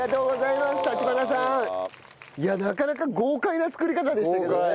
いやなかなか豪快な作り方でしたけどね。